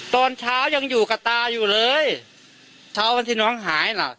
ตอนเช้ายังอยู่กับตาอยู่เลยเช้าวันที่น้องหายล่ะ